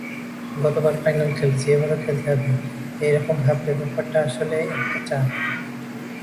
গতবার ফাইনাল খেলেছি, এবারও খেলতে হবে—এ রকম ভাবলে ব্যাপারটা আসলেই একটা চাপ।